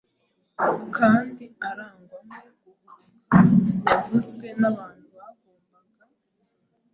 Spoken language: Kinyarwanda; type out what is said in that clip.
kandi arangwamo guhubuka yavuzwe n’abantu bagombaga